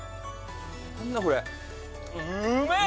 何だこれうめえ！